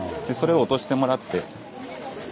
それを落としてもらって。